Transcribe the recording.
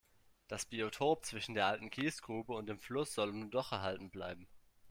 Das Biotop zwischen der alten Kiesgrube und dem Fluss soll nun doch erhalten bleiben.